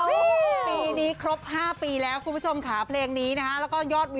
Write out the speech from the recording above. แล้วมีโอกาสได้เม้ามอยกับน้องลำไยครั้งนี้อัปเดตกันหน่อย